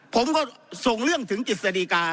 ผมก็ส่งเรื่องถึงกิจสดีกา